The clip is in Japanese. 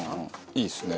いいですね。